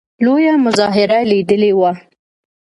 لویه مظاهره لیدلې وه.